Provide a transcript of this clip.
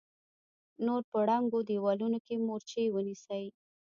نور په ړنګو دېوالونو کې مورچې ونيسئ!